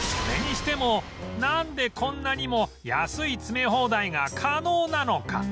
それにしてもなんでこんなにも安い詰め放題が可能なのか？